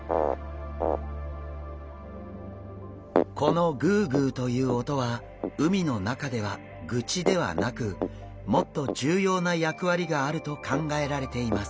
このグゥグゥという音は海の中ではグチではなくもっと重要な役割があると考えられています。